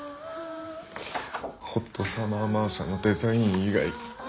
「ホットサマー・マーサ」のデザイン以外